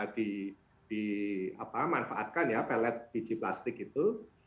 dimanfaatkan ya pellet biji plastik itu